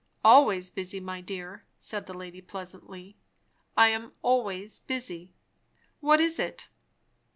"Always busy, my dear," said the lady pleasantly. "I am always busy. What is it?"